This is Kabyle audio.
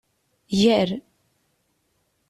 Gar.